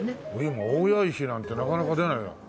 今大谷石なんてなかなか出ないよ。